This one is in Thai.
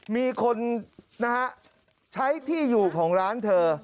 มีคนนะฮะใช้ที่อยู่ของร้านเธอ